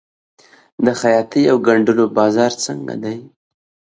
د خیاطۍ او ګنډلو بازار څنګه دی؟